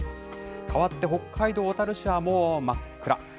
かわって北海道小樽市はもう真っ暗。